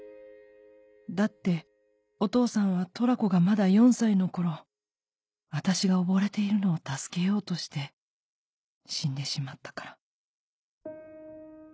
だってお父さんはとらこがまだ４歳の頃あたしが溺れているのを助けようとして死んでしまったから」。